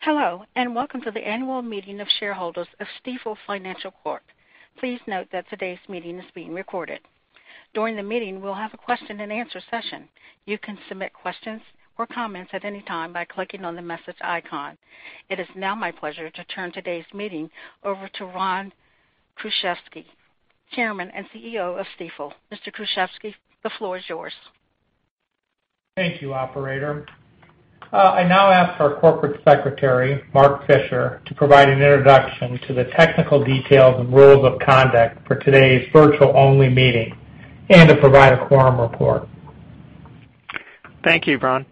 Hello, and welcome to the annual meeting of shareholders of Stifel Financial Corp. Please note that today's meeting is being recorded. During the meeting, we'll have a question-and-answer session. You can submit questions or comments at any time by clicking on the message icon. It is now my pleasure to turn today's meeting over to Ron Kruszewski, Chairman and CEO of Stifel. Mr. Kruszewski, the floor is yours. Thank you, Operator. I now ask our Corporate Secretary, Mark Fisher, to provide an introduction to the technical details and rules of conduct for today's virtual-only meeting and to provide a quorum report. Thank you, Ron.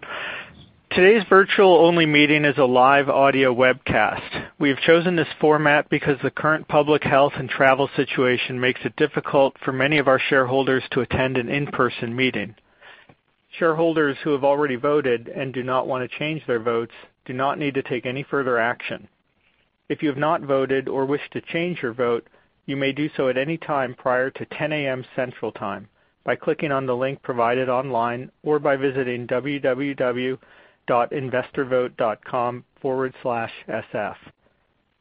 Today's virtual-only meeting is a live audio webcast. We have chosen this format because the current public health and travel situation makes it difficult for many of our shareholders to attend an in-person meeting. Shareholders who have already voted and do not want to change their votes do not need to take any further action. If you have not voted or wish to change your vote, you may do so at any time prior to 10:00 A.M. Central Time by clicking on the link provided online or by visiting www.investorvote.com/sf.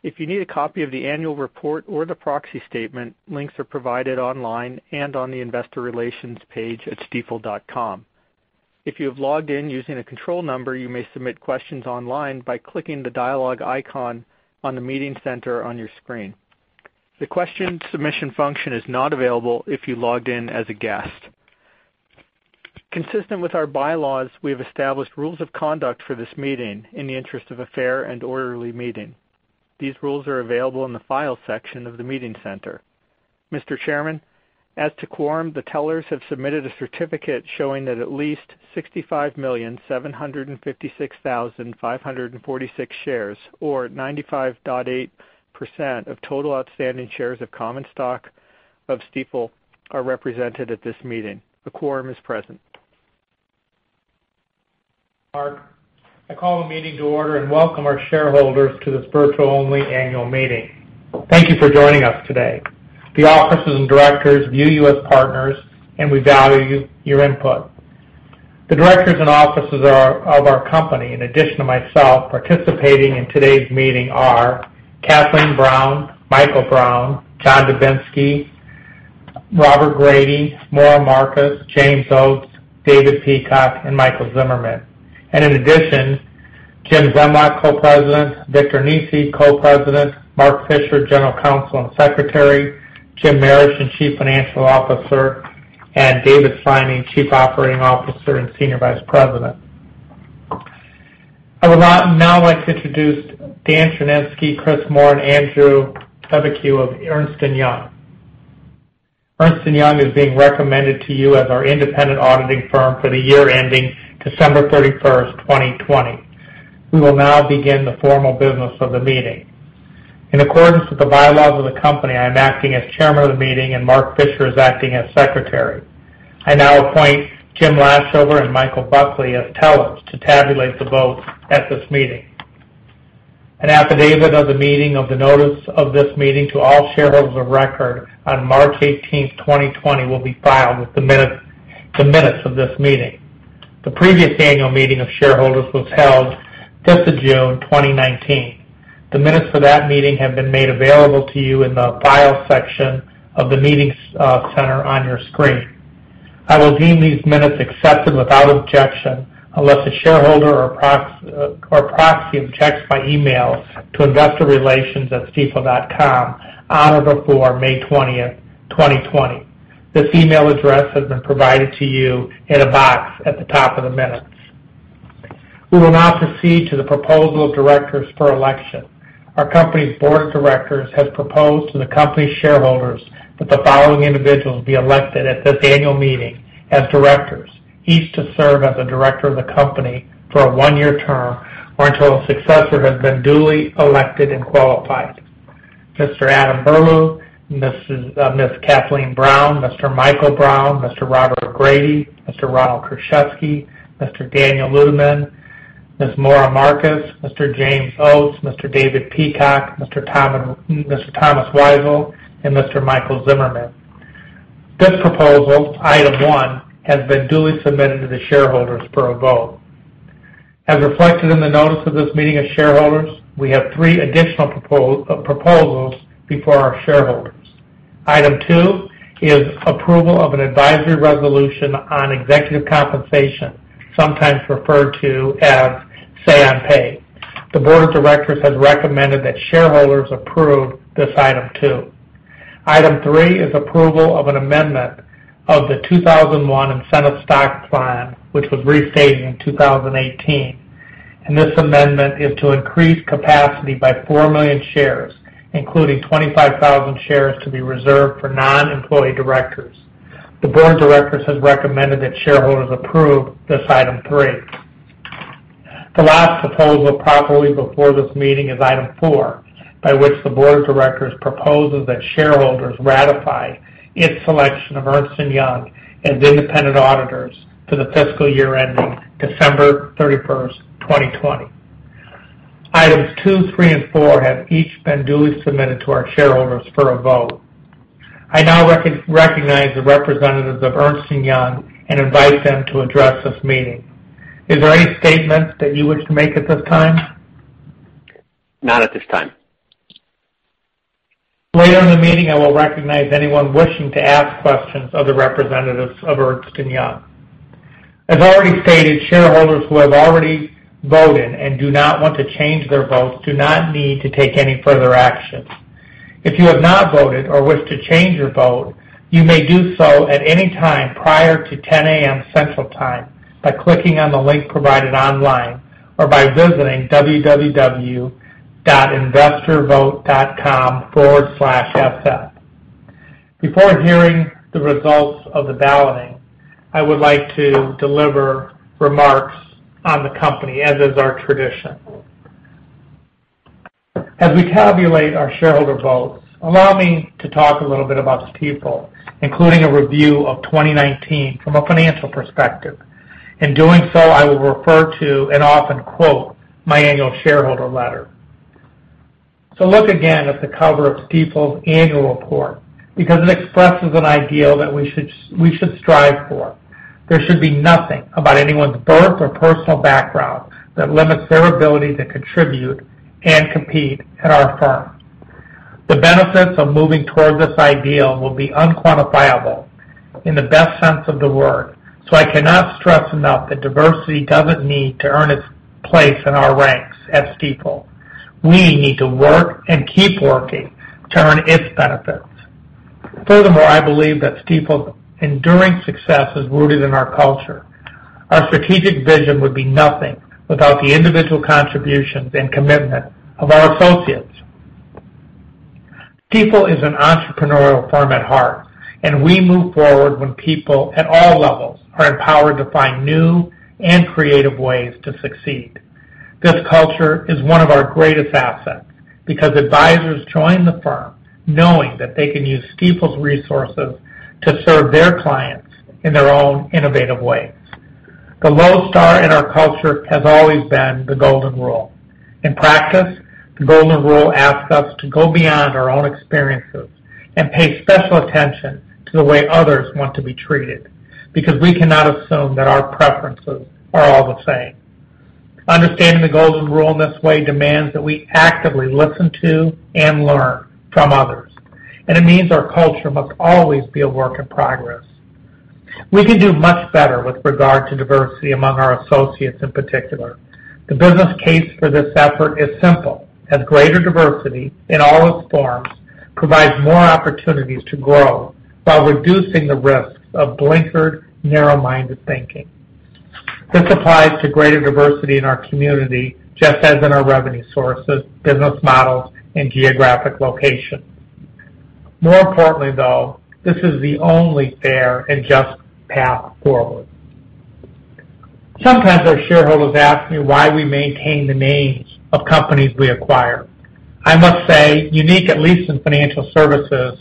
If you need a copy of the annual report or the proxy statement, links are provided online and on the investor relations page at stifel.com. If you have logged in using a control number, you may submit questions online by clicking the dialog icon on the meeting center on your screen. The question submission function is not available if you logged in as a guest. Consistent with our bylaws, we have established rules of conduct for this meeting in the interest of a fair and orderly meeting. These rules are available in the files section of the meeting center. Mr. Chairman, as to quorum, the tellers have submitted a certificate showing that at least 65,756,546 shares, or 95.8% of total outstanding shares of common stock of Stifel, are represented at this meeting. A quorum is present. Mark, I call the meeting to order and welcome our shareholders to this virtual-only annual meeting. Thank you for joining us today. The officers and directors view you as partners, and we value your input. The directors and officers of our company, in addition to myself, participating in today's meeting are Kathleen Brown, Michael Brown, John Dubinsky, Robert Grady, Maura Markus, James Oates, David Peacock, and Michael Zimmerman, and in addition, Jim Zemlyak, Co-President; Victor Nesi, Co-President; Mark Fisher, General Counsel and Secretary; Jim Marischen, Chief Financial Officer; and David Sliney, Chief Operating Officer and Senior Vice President. I would now like to introduce Dan Cherniske, Chris Moore, and Andrew Nawoichyk of Ernst & Young. Ernst & Young is being recommended to you as our independent auditing firm for the year ending December 31st, 2020. We will now begin the formal business of the meeting. In accordance with the bylaws of the company, I am acting as Chairman of the meeting, and Mark Fisher is acting as Secretary. I now appoint Jim Laschober and Michael Buckley as tellers to tabulate the votes at this meeting. An affidavit of the meeting of the notice of this meeting to all shareholders of record on March 18th, 2020, will be filed with the minutes of this meeting. The previous annual meeting of shareholders was held 5th of June, 2019. The minutes for that meeting have been made available to you in the files section of the meeting center on your screen. I will deem these minutes accepted without objection unless a shareholder or proxy objects by email to investorrelations@stifel.com on or before May 20th, 2020. This email address has been provided to you in a box at the top of the minutes. We will now proceed to the proposal of directors for election. Our company's board of directors has proposed to the company's shareholders that the following individuals be elected at this annual meeting as directors, each to serve as a director of the company for a one-year term or until a successor has been duly elected and qualified: Mr. Adam Berlew, Ms. Kathleen Brown, Mr. Michael Brown, Mr. Robert Grady, Mr. Ronald Kruszewski, Mr. Daniel Ludeman, Ms. Maura Markus, Mr. James Oates, Mr. David Peacock, Mr. Thomas Weisel, and Mr. Michael Zimmerman. This proposal, item one, has been duly submitted to the shareholders for a vote. As reflected in the notice of this meeting of shareholders, we have three additional proposals before our shareholders. Item two is approval of an advisory resolution on executive compensation, sometimes referred to as say-on-pay. The board of directors has recommended that shareholders approve this item two. Item three is approval of an amendment of the 2001 Incentive Stock Plan, which was restated in 2018, and this amendment is to increase capacity by four million shares, including 25,000 shares to be reserved for non-employee directors. The board of directors has recommended that shareholders approve this item three. The last proposal properly before this meeting is item four, by which the board of directors proposes that shareholders ratify its selection of Ernst & Young as independent auditors for the fiscal year ending December 31st, 2020. Items two, three, and four have each been duly submitted to our shareholders for a vote. I now recognize the representatives of Ernst & Young and invite them to address this meeting. Is there any statements that you wish to make at this time? Not at this time. Later in the meeting, I will recognize anyone wishing to ask questions of the representatives of Ernst & Young. As already stated, shareholders who have already voted and do not want to change their votes do not need to take any further action. If you have not voted or wish to change your vote, you may do so at any time prior to 10:00 A.M. Central Time by clicking on the link provided online or by visiting www.investorvote.com/sf. Before hearing the results of the balloting, I would like to deliver remarks on the company, as is our tradition. As we tabulate our shareholder votes, allow me to talk a little bit about Stifel, including a review of 2019 from a financial perspective. In doing so, I will refer to and often quote my annual shareholder letter. So look again at the cover of Stifel's annual report because it expresses an ideal that we should strive for. There should be nothing about anyone's birth or personal background that limits their ability to contribute and compete at our firm. The benefits of moving toward this ideal will be unquantifiable in the best sense of the word. So I cannot stress enough that diversity doesn't need to earn its place in our ranks at Stifel. We need to work and keep working to earn its benefits. Furthermore, I believe that Stifel's enduring success is rooted in our culture. Our strategic vision would be nothing without the individual contributions and commitment of our associates. Stifel is an entrepreneurial firm at heart, and we move forward when people at all levels are empowered to find new and creative ways to succeed. This culture is one of our greatest assets because advisors join the firm knowing that they can use Stifel's resources to serve their clients in their own innovative ways. The lodestar in our culture has always been the golden rule. In practice, the golden rule asks us to go beyond our own experiences and pay special attention to the way others want to be treated because we cannot assume that our preferences are all the same. Understanding the golden rule in this way demands that we actively listen to and learn from others, and it means our culture must always be a work in progress. We can do much better with regard to diversity among our associates in particular. The business case for this effort is simple: as greater diversity in all its forms provides more opportunities to grow while reducing the risks of blinkered, narrow-minded thinking. This applies to greater diversity in our community, just as in our revenue sources, business models, and geographic location. More importantly, though, this is the only fair and just path forward. Sometimes our shareholders ask me why we maintain the names of companies we acquire. I must say, unique at least in financial services,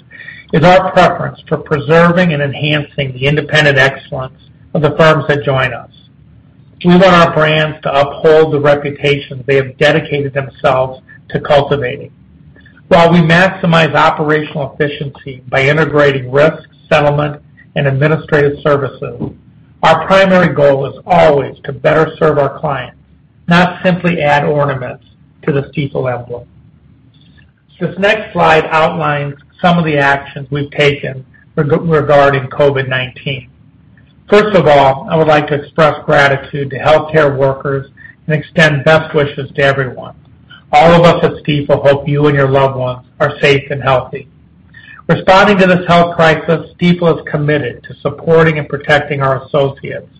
is our preference for preserving and enhancing the independent excellence of the firms that join us. We want our brands to uphold the reputation they have dedicated themselves to cultivating. While we maximize operational efficiency by integrating risk settlement and administrative services, our primary goal is always to better serve our clients, not simply add ornaments to the Stifel emblem. This next slide outlines some of the actions we've taken regarding COVID-19. First of all, I would like to express gratitude to healthcare workers and extend best wishes to everyone. All of us at Stifel hope you and your loved ones are safe and healthy. Responding to this health crisis, Stifel is committed to supporting and protecting our associates,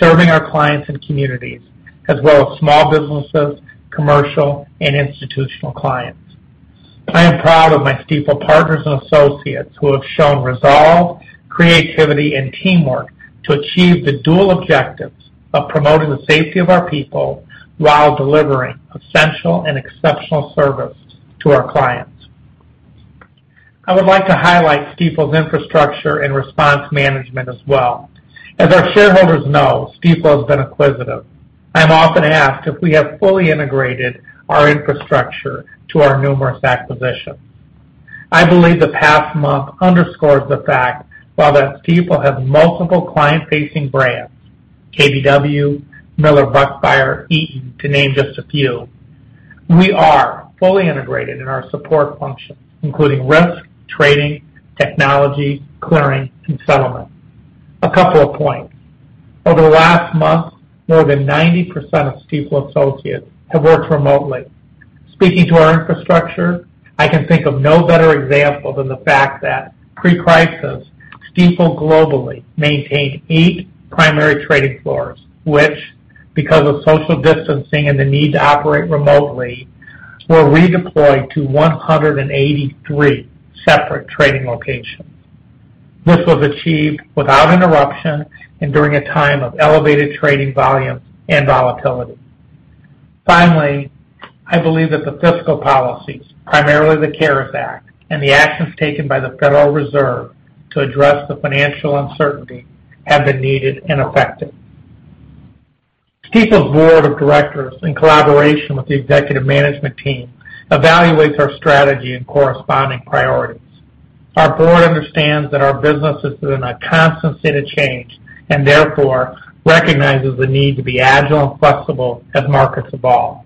serving our clients and communities, as well as small businesses, commercial, and institutional clients. I am proud of my Stifel partners and associates who have shown resolve, creativity, and teamwork to achieve the dual objectives of promoting the safety of our people while delivering essential and exceptional service to our clients. I would like to highlight Stifel's infrastructure and response management as well. As our shareholders know, Stifel has been acquisitive. I am often asked if we have fully integrated our infrastructure to our numerous acquisitions. I believe the past month underscores the fact that Stifel has multiple client-facing brands: KBW, Miller Buckfire, Eaton, to name just a few. We are fully integrated in our support functions, including risk, trading, technology, clearing, and settlement. A couple of points. Over the last month, more than 90% of Stifel associates have worked remotely. Speaking to our infrastructure, I can think of no better example than the fact that pre-crisis, Stifel globally maintained eight primary trading floors, which, because of social distancing and the need to operate remotely, were redeployed to 183 separate trading locations. This was achieved without interruption and during a time of elevated trading volumes and volatility. Finally, I believe that the fiscal policies, primarily the CARES Act, and the actions taken by the Federal Reserve to address the financial uncertainty have been needed and effective. Stifel's board of directors, in collaboration with the executive management team, evaluates our strategy and corresponding priorities. Our board understands that our business is in a constant state of change and therefore recognizes the need to be agile and flexible as markets evolve.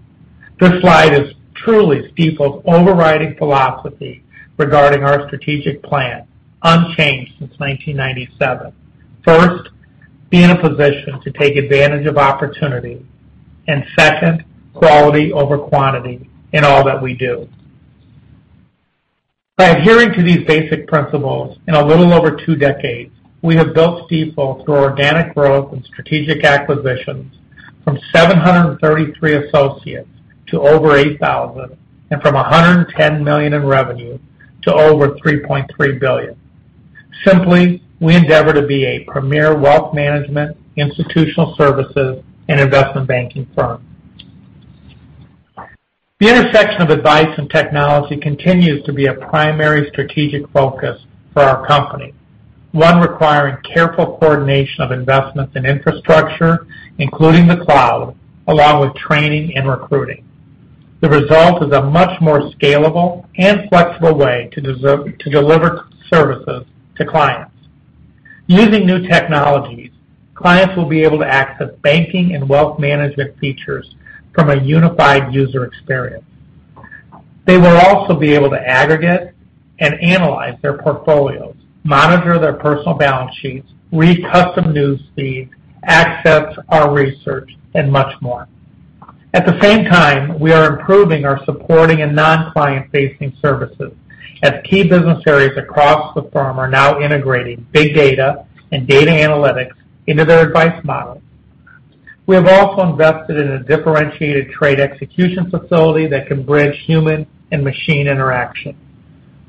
This slide is truly Stifel's overriding philosophy regarding our strategic plan, unchanged since 1997. First, be in a position to take advantage of opportunity. And second, quality over quantity in all that we do. By adhering to these basic principles in a little over two decades, we have built Stifel through organic growth and strategic acquisitions from 733 associates to over 8,000 and from $110 million in revenue to over $3.3 billion. Simply, we endeavor to be a premier wealth management, institutional services, and investment banking firm. The intersection of advice and technology continues to be a primary strategic focus for our company, one requiring careful coordination of investments and infrastructure, including the cloud, along with training and recruiting. The result is a much more scalable and flexible way to deliver services to clients. Using new technologies, clients will be able to access banking and wealth management features from a unified user experience. They will also be able to aggregate and analyze their portfolios, monitor their personal balance sheets, read custom news feeds, access our research, and much more. At the same time, we are improving our supporting and non-client-facing services as key business areas across the firm are now integrating big data and data analytics into their advice models. We have also invested in a differentiated trade execution facility that can bridge human and machine interaction.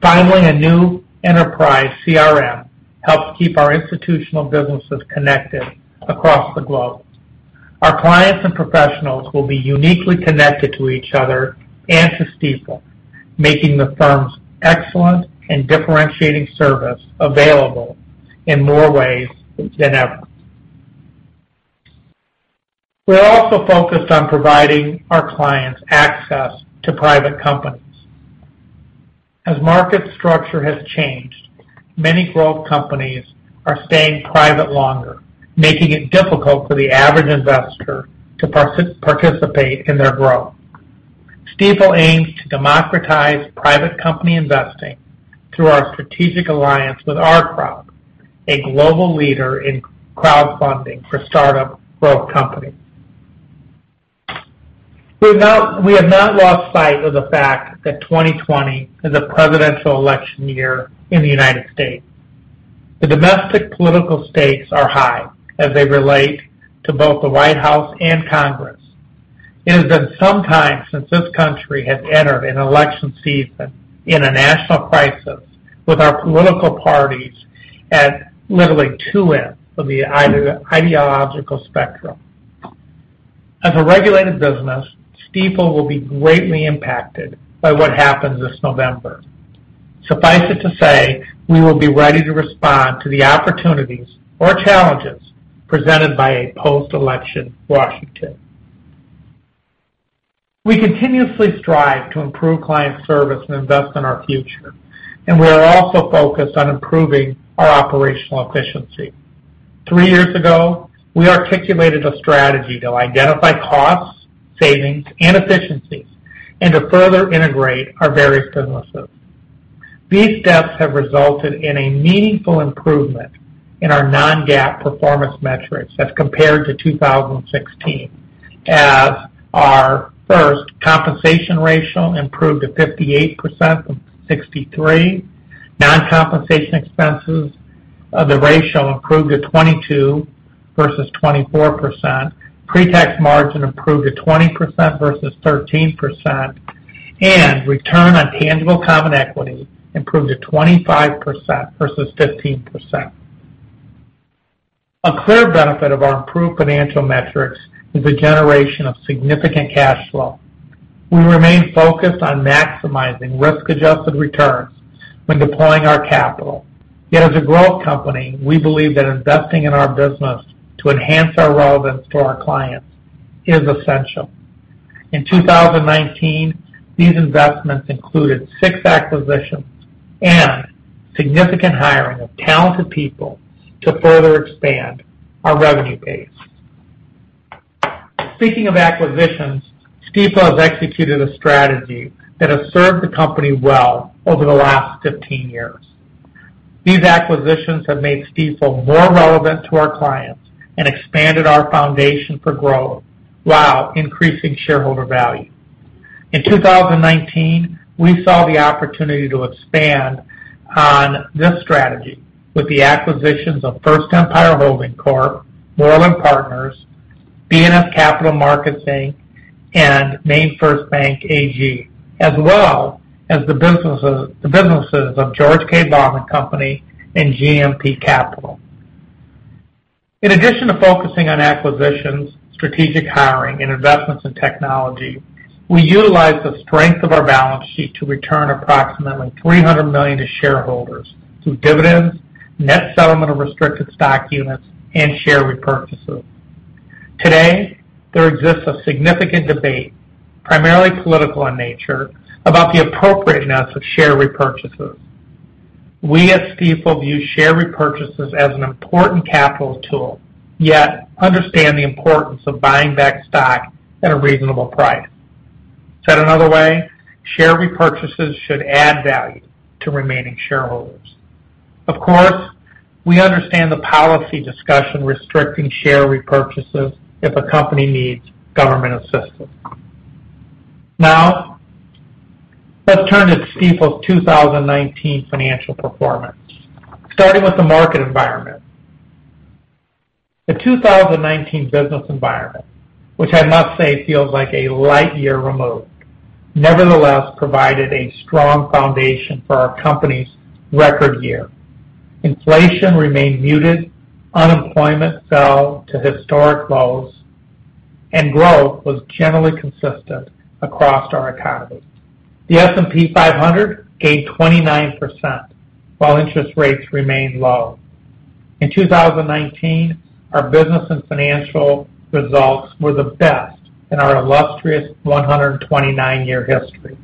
Finally, a new enterprise CRM helps keep our institutional businesses connected across the globe. Our clients and professionals will be uniquely connected to each other and to Stifel, making the firm's excellent and differentiating service available in more ways than ever. We're also focused on providing our clients access to private companies. As market structure has changed, many growth companies are staying private longer, making it difficult for the average investor to participate in their growth. Stifel aims to democratize private company investing through our strategic alliance with OurCrowd, a global leader in crowdfunding for startup growth companies. We have not lost sight of the fact that 2020 is a presidential election year in the United States. The domestic political stakes are high as they relate to both the White House and Congress. It has been some time since this country has entered an election season in a national crisis with our political parties at literally two ends of the ideological spectrum. As a regulated business, Stifel will be greatly impacted by what happens this November. Suffice it to say, we will be ready to respond to the opportunities or challenges presented by a post-election Washington. We continuously strive to improve client service and invest in our future, and we are also focused on improving our operational efficiency. Three years ago, we articulated a strategy to identify costs, savings, and efficiencies and to further integrate our various businesses. These steps have resulted in a meaningful improvement in our Non-GAAP performance metrics as compared to 2016, as our first compensation ratio improved to 58% from 63%. Non-compensation expenses, the ratio improved to 22% versus 24%. Pre-tax margin improved to 20% versus 13%, and return on tangible common equity improved to 25% versus 15%. A clear benefit of our improved financial metrics is the generation of significant cash flow. We remain focused on maximizing risk-adjusted returns when deploying our capital. Yet, as a growth company, we believe that investing in our business to enhance our relevance to our clients is essential. In 2019, these investments included six acquisitions and significant hiring of talented people to further expand our revenue base. Speaking of acquisitions, Stifel has executed a strategy that has served the company well over the last 15 years. These acquisitions have made Stifel more relevant to our clients and expanded our foundation for growth while increasing shareholder value. In 2019, we saw the opportunity to expand on this strategy with the acquisitions of First Empire Holding Corp., Mooreland Partners, B&F Capital Markets Inc., and MainFirst Bank AG, as well as the businesses of George K. Baum & Company and GMP Capital. In addition to focusing on acquisitions, strategic hiring, and investments in technology, we utilize the strength of our balance sheet to return approximately $300 million to shareholders through dividends, net settlement of restricted stock units, and share repurchases. Today, there exists a significant debate, primarily political in nature, about the appropriateness of share repurchases. We at Stifel view share repurchases as an important capital tool, yet understand the importance of buying back stock at a reasonable price. Said another way, share repurchases should add value to remaining shareholders. Of course, we understand the policy discussion restricting share repurchases if a company needs government assistance. Now, let's turn to Stifel's 2019 financial performance, starting with the market environment. The 2019 business environment, which I must say feels like a light year removed, nevertheless provided a strong foundation for our company's record year. Inflation remained muted, unemployment fell to historic lows, and growth was generally consistent across our economy. The S&P 500 gained 29%, while interest rates remained low. In 2019, our business and financial results were the best in our illustrious 129-year history.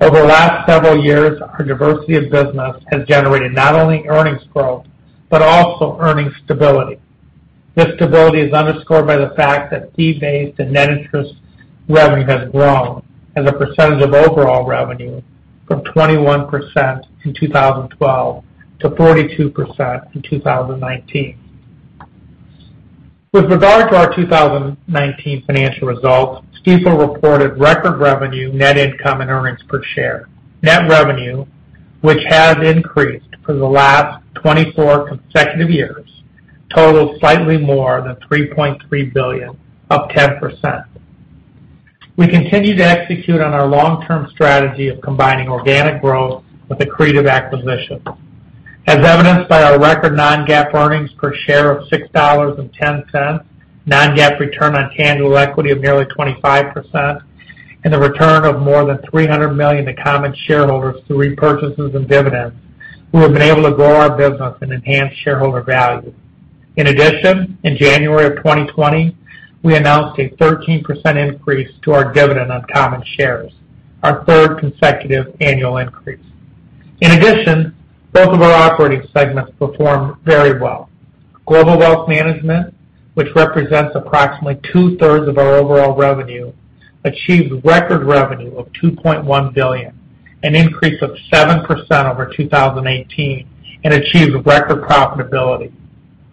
Over the last several years, our diversity of business has generated not only earnings growth but also earnings stability. This stability is underscored by the fact that fee-based and net interest revenue has grown as a percentage of overall revenue from 21% in 2012 to 42% in 2019. With regard to our 2019 financial results, Stifel reported record revenue, net income, and earnings per share. Net revenue, which has increased for the last 24 consecutive years, totaled slightly more than $3.3 billion, up 10%. We continue to execute on our long-term strategy of combining organic growth with accretive acquisitions. As evidenced by our record non-GAAP earnings per share of $6.10, non-GAAP return on tangible equity of nearly 25%, and the return of more than $300 million to common shareholders through repurchases and dividends, we have been able to grow our business and enhance shareholder value. In addition, in January of 2020, we announced a 13% increase to our dividend on common shares, our third consecutive annual increase. In addition, both of our operating segments performed very well. Global Wealth Management, which represents approximately two-thirds of our overall revenue, achieved record revenue of $2.1 billion, an increase of 7% over 2018, and achieved record profitability.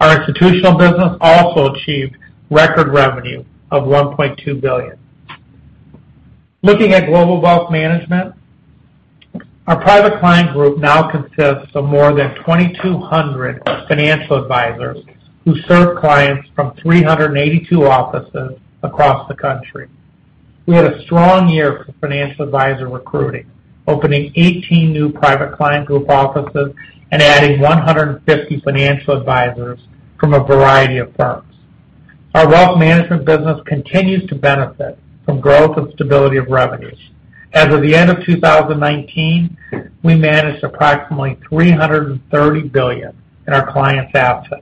Our institutional business also achieved record revenue of $1.2 billion. Looking at Global Wealth Management, our private client group now consists of more than 2,200 financial advisors who serve clients from 382 offices across the country. We had a strong year for financial advisor recruiting, opening 18 new private client group offices and adding 150 financial advisors from a variety of firms. Our wealth management business continues to benefit from growth and stability of revenues. As of the end of 2019, we managed approximately $330 billion in our clients' assets.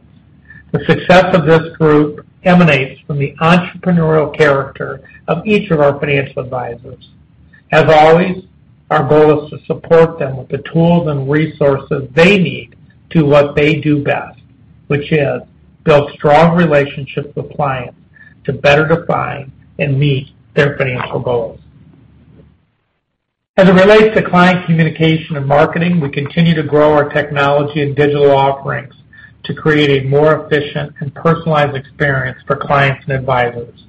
The success of this group emanates from the entrepreneurial character of each of our financial advisors. As always, our goal is to support them with the tools and resources they need to do what they do best, which is build strong relationships with clients to better define and meet their financial goals. As it relates to client communication and marketing, we continue to grow our technology and digital offerings to create a more efficient and personalized experience for clients and advisors.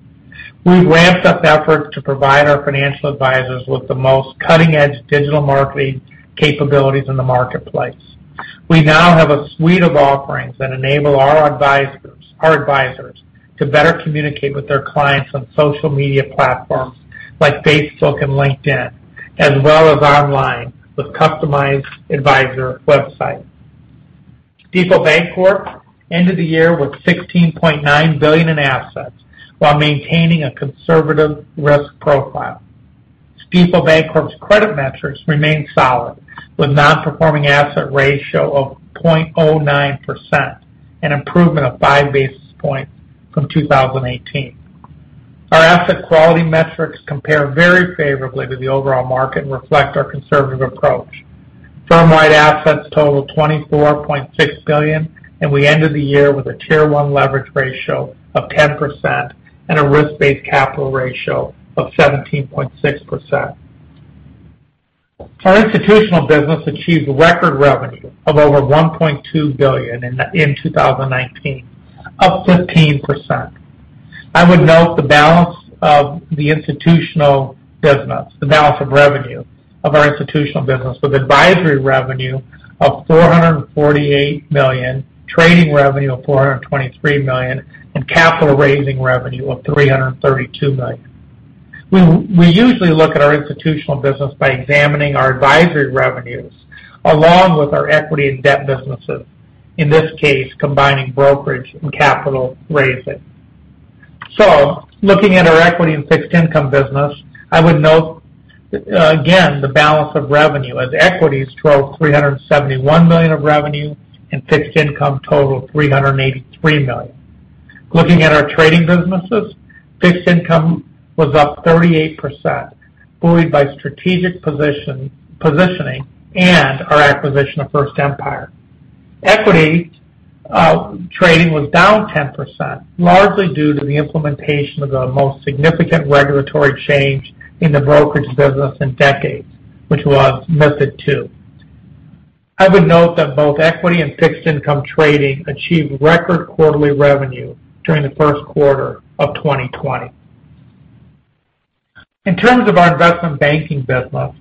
We've ramped up efforts to provide our financial advisors with the most cutting-edge digital marketing capabilities in the marketplace. We now have a suite of offerings that enable our advisors to better communicate with their clients on social media platforms like Facebook and LinkedIn, as well as online with customized advisor websites. Stifel Bancorp ended the year with $16.9 billion in assets while maintaining a conservative risk profile. Stifel Bancorp's credit metrics remain solid, with non-performing asset ratio of 0.09% and improvement of five basis points from 2018. Our asset quality metrics compare very favorably to the overall market and reflect our conservative approach. Firm-wide assets total $24.6 billion, and we ended the year with a tier-one leverage ratio of 10% and a risk-based capital ratio of 17.6%. Our institutional business achieved record revenue of over $1.2 billion in 2019, up 15%. I would note the balance of the institutional business, the balance of revenue of our institutional business, with advisory revenue of $448 million, trading revenue of $423 million, and capital-raising revenue of $332 million. We usually look at our institutional business by examining our advisory revenues along with our equity and debt businesses, in this case, combining brokerage and capital raising. So, looking at our equity and fixed income business, I would note, again, the balance of revenue, as equities drove $371 million of revenue and fixed income totaled $383 million. Looking at our trading businesses, fixed income was up 38%, buoyed by strategic positioning and our acquisition of First Empire. Equity trading was down 10%, largely due to the implementation of the most significant regulatory change in the brokerage business in decades, which was MiFID II. I would note that both equity and fixed income trading achieved record quarterly revenue during the first quarter of 2020. In terms of our investment banking business,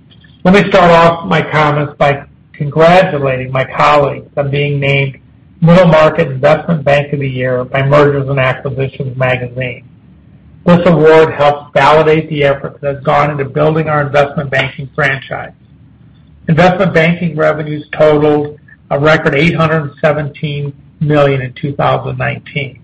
let me start off my comments by congratulating my colleagues on being named Middle Market Investment Bank of the Year by Mergers & Acquisitions Magazine. This award helps validate the efforts that have gone into building our investment banking franchise. Investment banking revenues totaled a record $817 million in 2019.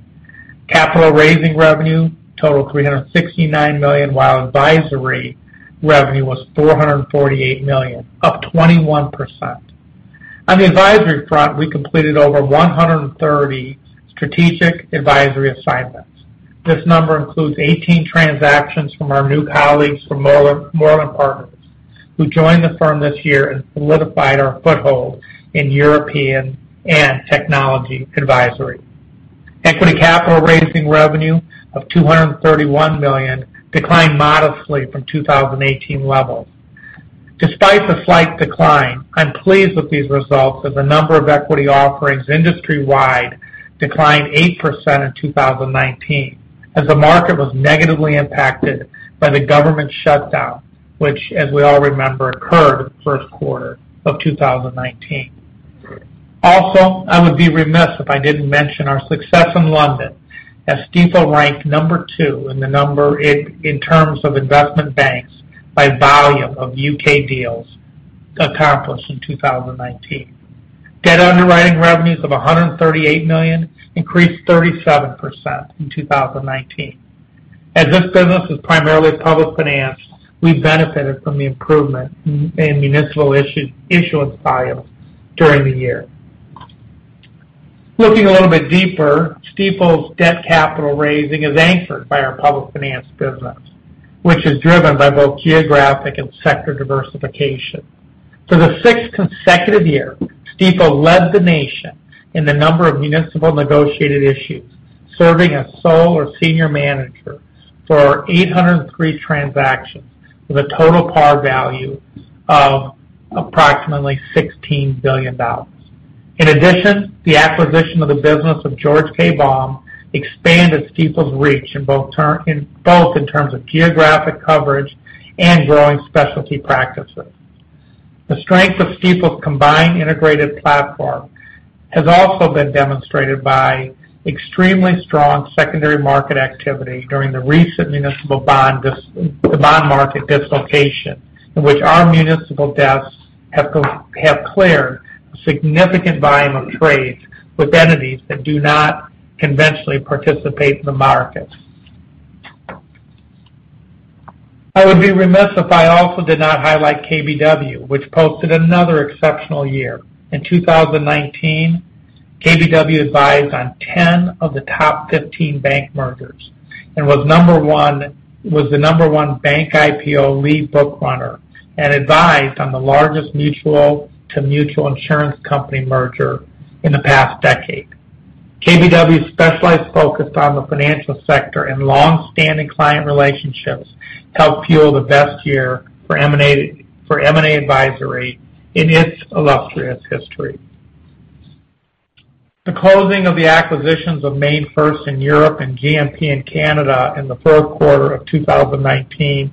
Capital-raising revenue totaled $369 million, while advisory revenue was $448 million, up 21%. On the advisory front, we completed over 130 strategic advisory assignments. This number includes 18 transactions from our new colleagues from Mooreland Partners, who joined the firm this year and solidified our foothold in European and technology advisory. Equity capital-raising revenue of $231 million declined modestly from 2018 levels. Despite the slight decline, I'm pleased with these results as the number of equity offerings industry-wide declined 8% in 2019, as the market was negatively impacted by the government shutdown, which, as we all remember, occurred in the first quarter of 2019. Also, I would be remiss if I didn't mention our success in London, as Stifel ranked number two in the number in terms of investment banks by volume of U.K. deals accomplished in 2019. Debt underwriting revenues of $138 million increased 37% in 2019. As this business is primarily public finance, we benefited from the improvement in municipal issuance volumes during the year. Looking a little bit deeper, Stifel's debt capital raising is anchored by our public finance business, which is driven by both geographic and sector diversification. For the sixth consecutive year, Stifel led the nation in the number of municipal negotiated issues, serving as sole or senior manager for 803 transactions with a total par value of approximately $16 billion. In addition, the acquisition of the business of George K. Baum expanded Stifel's reach both in terms of geographic coverage and growing specialty practices. The strength of Stifel's combined integrated platform has also been demonstrated by extremely strong secondary market activity during the recent municipal bond market dislocation, in which our municipal desks have cleared a significant volume of trades with entities that do not conventionally participate in the markets. I would be remiss if I also did not highlight KBW, which posted another exceptional year. In 2019, KBW advised on 10 of the top 15 bank mergers and was the number one bank IPO Lead Bookrunner and advised on the largest mutual to mutual insurance company merger in the past decade. KBW's specialized focus on the financial sector and long-standing client relationships helped fuel the best year for M&A advisory in its illustrious history. The closing of the acquisitions of MainFirst in Europe and GMP in Canada in the fourth quarter of 2019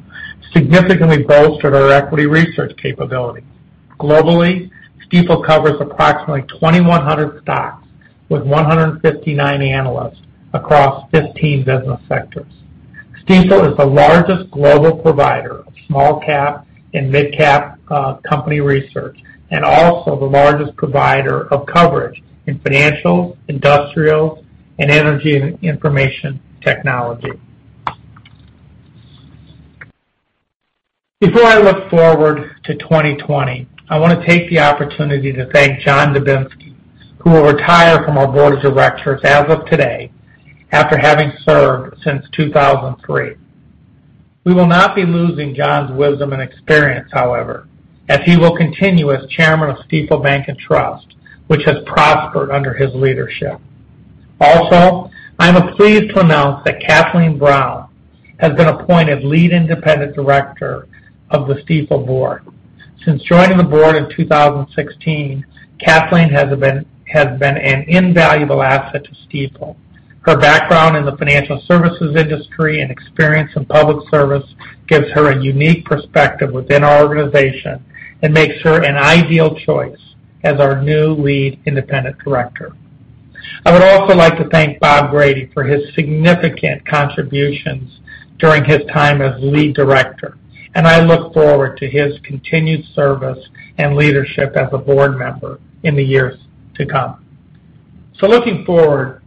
significantly bolstered our equity research capabilities. Globally, Stifel covers approximately 2,100 stocks with 159 analysts across 15 business sectors. Stifel is the largest global provider of small-cap and mid-cap company research and also the largest provider of coverage in financials, industrials, and energy and information technology. Before I look forward to 2020, I want to take the opportunity to thank John Dubinsky, who will retire from our board of directors as of today after having served since 2003. We will not be losing John's wisdom and experience, however, as he will continue as chairman of Stifel Bank & Trust, which has prospered under his leadership. Also, I'm pleased to announce that Kathleen Brown has been appointed lead independent director of the Stifel Board. Since joining the board in 2016, Kathleen has been an invaluable asset to Stifel. Her background in the financial services industry and experience in public service gives her a unique perspective within our organization and makes her an ideal choice as our new lead independent director. I would also like to thank Bob Grady for his significant contributions during his time as lead director, and I look forward to his continued service and leadership as a board member in the years to come. So, looking forward,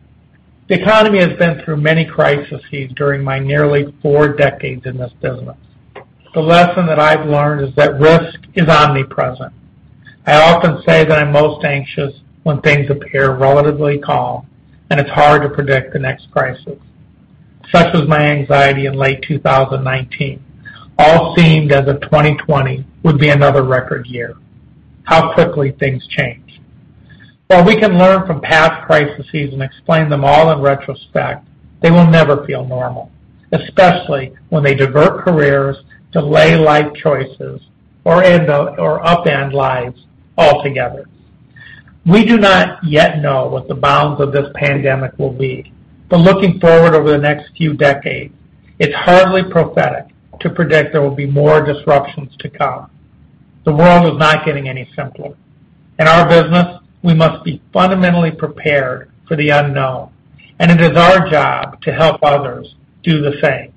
the economy has been through many crises during my nearly four decades in this business. The lesson that I've learned is that risk is omnipresent. I often say that I'm most anxious when things appear relatively calm and it's hard to predict the next crisis. Such was my anxiety in late 2019. All seemed as if 2020 would be another record year. How quickly things change. While we can learn from past crises and explain them all in retrospect, they will never feel normal, especially when they divert careers, delay life choices, or upend lives altogether. We do not yet know what the bounds of this pandemic will be, but looking forward over the next few decades, it's hardly prophetic to predict there will be more disruptions to come. The world is not getting any simpler. In our business, we must be fundamentally prepared for the unknown, and it is our job to help others do the same.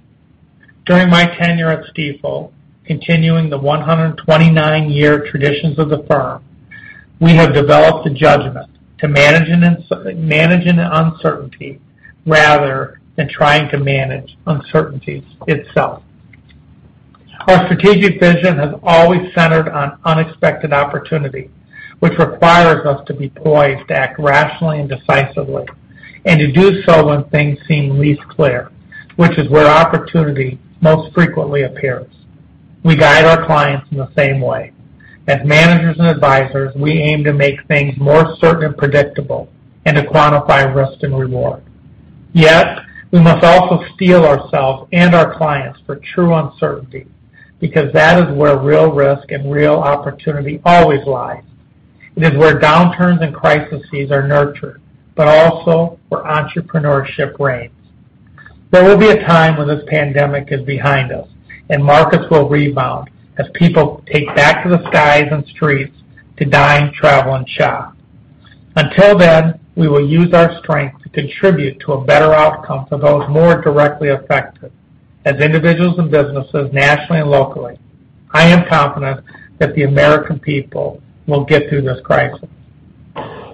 During my tenure at Stifel, continuing the 129-year traditions of the firm, we have developed a judgment to manage uncertainty rather than trying to manage uncertainty itself. Our strategic vision has always centered on unexpected opportunity, which requires us to be poised to act rationally and decisively, and to do so when things seem least clear, which is where opportunity most frequently appears. We guide our clients in the same way. As managers and advisors, we aim to make things more certain and predictable and to quantify risk and reward. Yet, we must also steel ourselves and our clients for true uncertainty because that is where real risk and real opportunity always lies. It is where downturns and crises are nurtured, but also where entrepreneurship reigns. There will be a time when this pandemic is behind us and markets will rebound as people take back to the skies and streets to dine, travel, and shop. Until then, we will use our strength to contribute to a better outcome for those more directly affected, as individuals and businesses nationally and locally. I am confident that the American people will get through this crisis.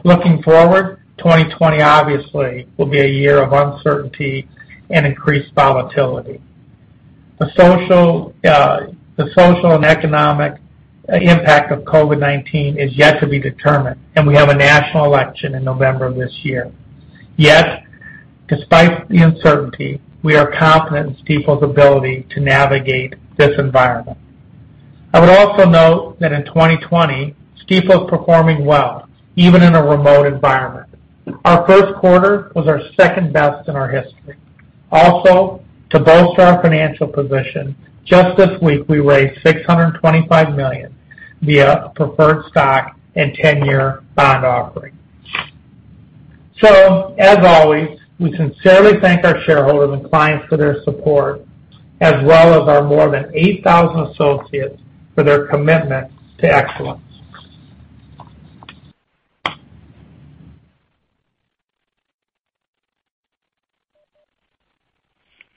Looking forward, 2020 obviously will be a year of uncertainty and increased volatility. The social and economic impact of COVID-19 is yet to be determined, and we have a national election in November of this year. Yet, despite the uncertainty, we are confident in Stifel's ability to navigate this environment. I would also note that in 2020, Stifel is performing well, even in a remote environment. Our first quarter was our second best in our history. Also, to bolster our financial position, just this week we raised $625 million via a preferred stock and 10-year bond offering. So, as always, we sincerely thank our shareholders and clients for their support, as well as our more than 8,000 associates for their commitment to excellence.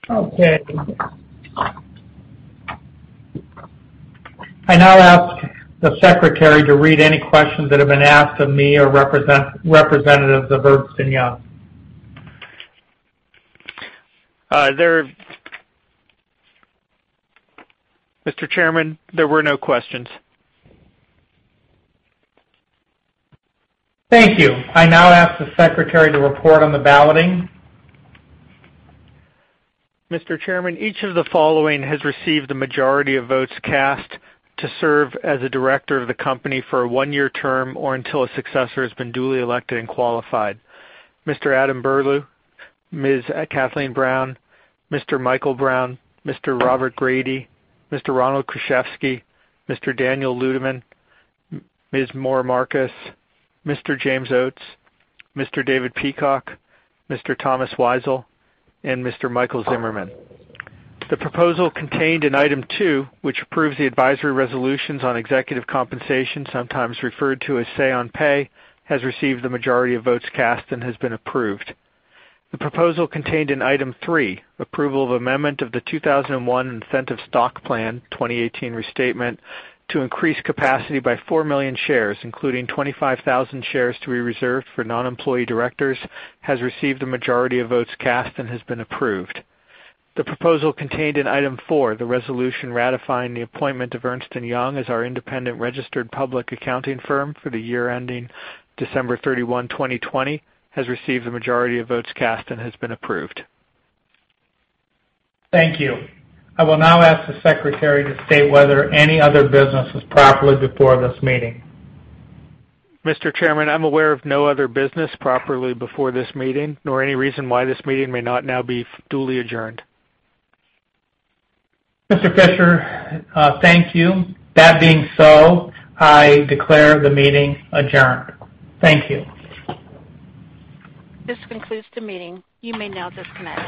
Okay. I now ask the secretary to read any questions that have been asked of me or representatives of Ernst & Young. Mr. Chairman, there were no questions. Thank you. I now ask the secretary to report on the balloting. Mr. Chairman, each of the following has received the majority of votes cast to serve as a director of the company for a one-year term or until a successor has been duly elected and qualified: Mr. Adam J. Berlew, Ms. Kathleen Brown, Mr. Michael W. Brown, Mr. Robert E. Grady, Mr. Ronald J. Kruszewski, Mr. Daniel J. Ludeman, Ms. Maura A. Markus, Mr. James M. Oates, Mr. David A. Peacock, Mr. Thomas W. Weisel, and Mr. Michael W. Zimmerman. The proposal contained in item two, which approves the advisory resolutions on executive compensation, sometimes referred to as Say-on-Pay, has received the majority of votes cast and has been approved. The proposal contained in item three, approval of amendment of the 2001 Incentive Stock Plan 2018 restatement to increase capacity by 4 million shares, including 25,000 shares to be reserved for non-employee directors, has received the majority of votes cast and has been approved. The proposal contained in item four, the resolution ratifying the appointment of Ernst & Young as our independent registered public accounting firm for the year ending December 31, 2020, has received the majority of votes cast and has been approved. Thank you. I will now ask the secretary to state whether any other business was properly before this meeting. Mr. Chairman, I'm aware of no other business properly before this meeting, nor any reason why this meeting may not now be duly adjourned. Mr. Fisher, thank you. That being so, I declare the meeting adjourned. Thank you. This concludes the meeting. You may now disconnect.